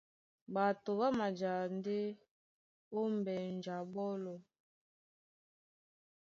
Ɓato ɓá maja ndé ó mbenju a ɓɔ́lɔ.